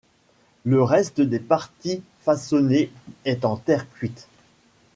Le reste des parties façonnées est en terre cuite.